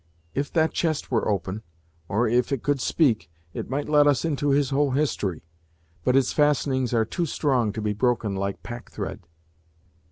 If that chest were open, or if it could speak, it might let us into his whole history. But its fastenings are too strong to be broken like pack thread."